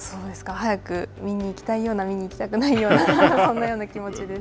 早く見に行きたいような見に行きたくないようなそんなような気持ちです。